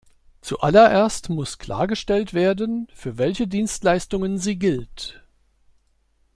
Zuallererst muss klargestellt werden, für welche Dienstleistungen sie gilt.